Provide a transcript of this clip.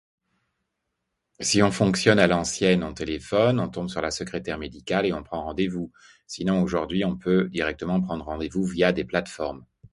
rendez vous